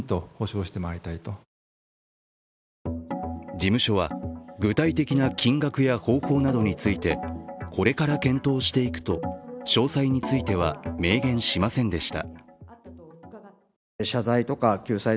事務所は、具体的な金額や方法などについてこれから検討していくと詳細については明言しませんでした。